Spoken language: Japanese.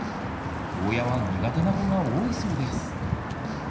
ゴーヤは苦手な子が多いそうです。